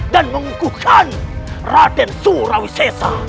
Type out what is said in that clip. dan mengungkukan raden su rawisesa